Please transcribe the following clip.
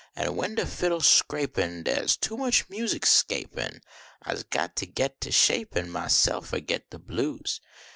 An when de fiddle s scrapin , Dars too much music scapin , Ise got to git to shapin Mvself or <rit de blues.